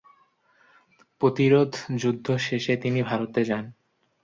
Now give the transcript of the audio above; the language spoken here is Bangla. প্রতিরোধযুদ্ধ শেষে তিনি ভারতে যান।